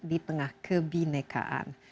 di tengah kebinekaan